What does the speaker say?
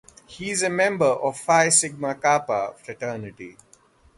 He is a member of Phi Sigma Kappa fraternity.